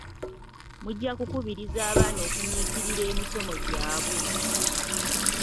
Mujja kukubiriza abaana okunyiikirira emisomo gyabwe.